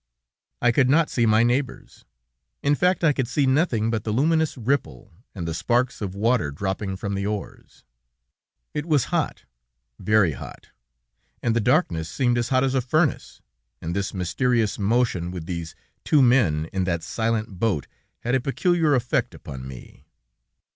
I could not see my neighbors; in fact, I could see nothing but the luminous ripple, and the sparks of water dropping from the oars; it was hot, very hot, and the darkness seemed as hot as a furnace, and this mysterious motion with these two men in that silent boat, had a peculiar effect upon me.